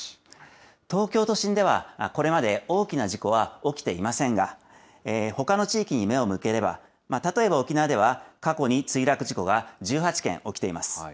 東京都心では、これまで大きな事故は起きていませんが、ほかの地域に目を向ければ、例えば沖縄では、過去に墜落事故が１８件起きています。